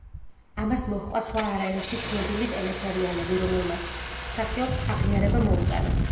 ამას მოჰყვა სხვა არაერთი ცნობილი ტელესერიალები, რომელმაც მსახიობს აღიარება მოუტანა.